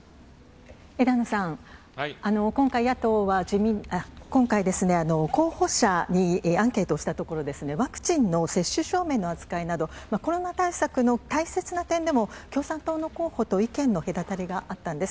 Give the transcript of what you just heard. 枝野さん、今回、候補者にアンケートをしたところですね、ワクチンの接種証明の扱いなど、コロナ対策の大切な点でも、共産党の候補と意見の隔たりがあったんです。